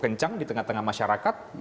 kencang di tengah tengah masyarakat